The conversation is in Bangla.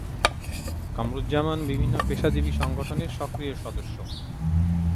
কামরুজ্জামান বিভিন্ন পেশাজীবী সংগঠনের সক্রিয় সদস্য।